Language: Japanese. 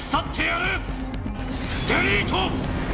デリート！